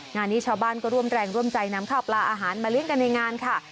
งานนี้ชาวบ้านก็ร่วมแรงร่วมใจนำข้าวปลาอาหารมาเลี้ยงกันในงานค่ะ